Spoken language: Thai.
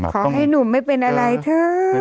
ขอให้หนุ่มไม่เป็นอะไรเถอะ